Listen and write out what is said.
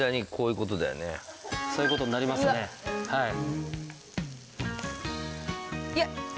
そういう事になりますねはい。